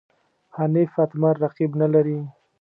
حنیف اتمر رقیب نه لري.